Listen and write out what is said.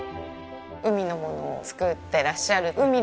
海のものを作ってらっしゃる海の母。